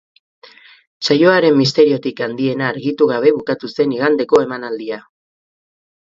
Saioaren misteriorik handiena argitu gabe bukatu zen igandeko emanaldia.